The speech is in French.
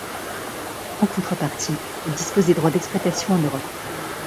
En contrepartie, elle dispose des droits d'exploitation en Europe.